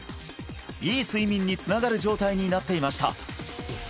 いい睡眠につながる状態になっていました